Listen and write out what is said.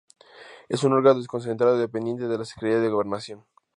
Es un órgano desconcentrado dependiente de la Secretaría de Gobernación.